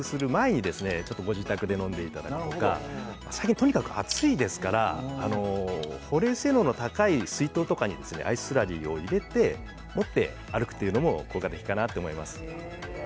例えば、お買い物なんかで外出する前にご自宅で飲んでいただくとかとにかく最近暑いですから保冷性能の高い水筒とかにアイススラリーを入れて持って歩くというのも効果的かなと思います。